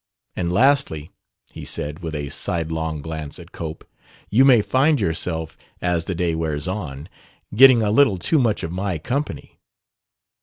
And lastly," he said, with a sidelong glance at Cope, "you may find yourself, as the day wears on, getting a little too much of my company."